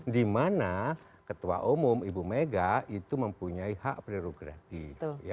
dimana ketua umum ibu mega itu mempunyai hak prerogatif